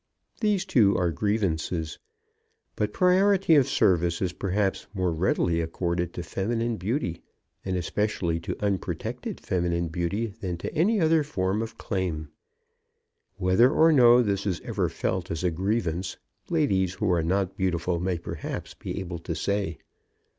These, too, are grievances. But priority of service is perhaps more readily accorded to feminine beauty, and especially to unprotected feminine beauty, than to any other form of claim. Whether or no this is ever felt as a grievance, ladies who are not beautiful may perhaps be able to say.